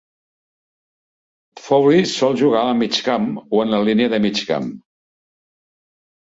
Foley sol jugar al migcamp o en la línia de migcamp.